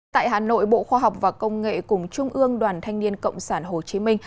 tại hà nội bộ khoa học và công nghệ cùng trung ương đoàn thanh niên cộng sản hồ chí minh